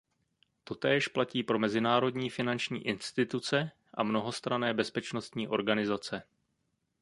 Totéž platí pro mezinárodní finanční instituce a mnohostranné bezpečnostní organizace.